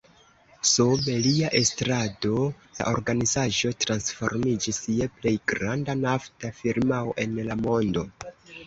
Sub lia estrado la organizaĵo transformiĝis je plej granda nafta firmao en la mondo.